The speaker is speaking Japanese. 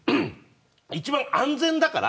一番安全だから。